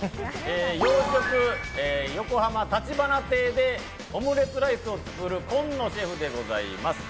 洋食横濱たちばな亭でオムレツライスを作る紺野シェフでございます。